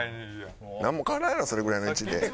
なんも変わらんやろそれぐらいの位置で。